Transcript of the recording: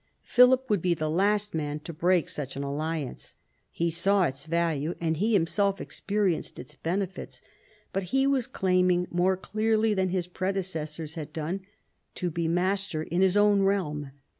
Philip would be the last man to break such an alliance. He saw its value, and he himself experienced its benefits. But he was claiming, more clearly than his predecessors had done, to be master in his own realm.